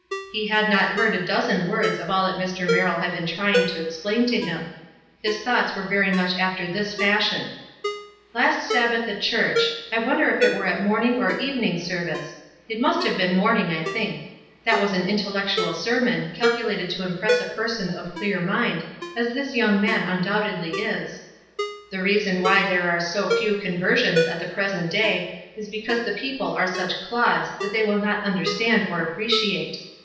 He had not heard a dozen words of all that Mr. Merrill had been trying to explain to him. His thoughts were very much after this fashion : "Last Sabbath at church. I wonder if it were at morning or evening: service. It must have been morning, I think ; that was an intellectual sermon, calculated to impress a person of clear mind, as this young man un doubtedly is. The reason why there are so few conversions at the present day is because the peo ple are such clods that they will not understand or appreciate.